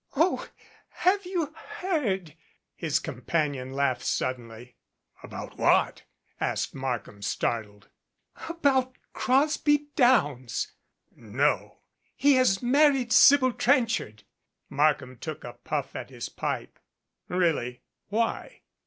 "Oh, have you heard?" his companion laughed sud idenly. "About what ?" asked Markham startled. "About Crosby Downs." "No." "He has married Sybil Trenchard." Markham took a puff at his pipe. "Really? Why?"